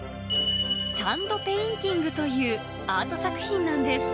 サンドペインティングというアート作品なんです。